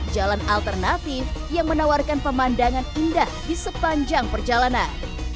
jalan alternatif yang menawarkan pemandangan indah di sepanjang perjalanan